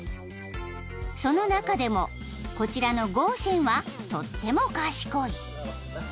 ［その中でもこちらの狗勝はとっても賢い］